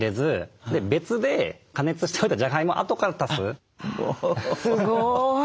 すごい。